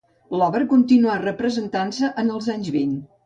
L'obra continuà representant-se en els anys vint.